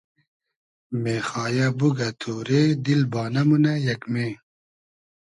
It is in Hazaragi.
مېخایۂ بوگۂ تۉرې دیل بانۂ مونۂ یئگمې